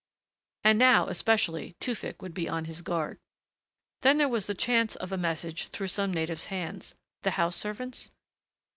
And now, especially, Tewfick would be on his guard. Then there was the chance of a message through some native's hands. The house servants